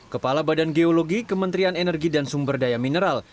kepala badan geologi kementerian energi dan sumber daya mineral